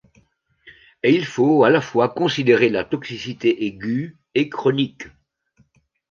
Et il faut à la fois considérer la toxicité aiguë et chronique.